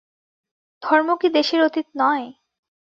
ধর্ম কি দেশের অতীত নয়?